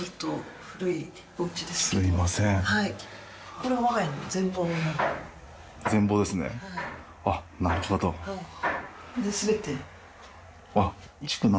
これで全て。